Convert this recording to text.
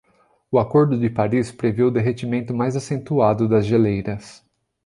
O Acordo de Paris previu o derretimento mais acentuado das geleiras